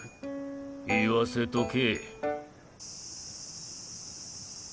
言わせとけ。